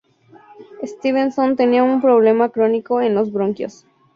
Stevenson tenía un problema crónico en los bronquios.